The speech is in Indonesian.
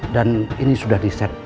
dan ini sudah diset